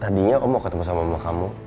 tadinya om mau ketemu sama mama kamu